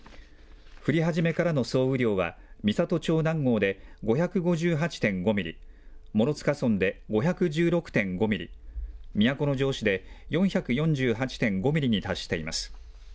降り始めからの総雨量は、美郷町南郷で５５８．５ミリ、諸塚村で５１６．５ミリ、都城市で４４８．５ミリに達しています。